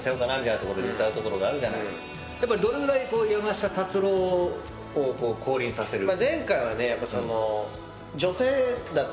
どれぐらい山下達郎を降臨させるか？